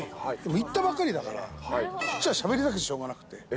行ったばっかりだから、しゃべりたくてしょうがなくて。